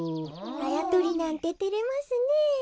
あやとりなんててれますねえ。